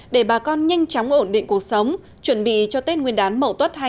để bà con nhanh chóng ổn định cuộc sống chuẩn bị cho tết nguyên đán mậu tuất hai nghìn hai mươi